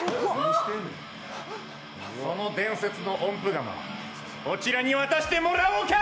その伝説の音符玉、こちらに渡してもらおうか！